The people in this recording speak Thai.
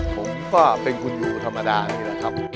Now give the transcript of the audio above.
ผมก็เป็นคุณอยู่ธรรมดานี่แหละครับ